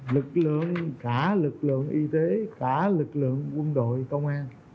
lực lượng cả lực lượng y tế cả lực lượng quân đội công an